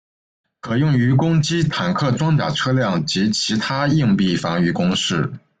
可用于攻击坦克装甲车辆及其它硬壁防御工事。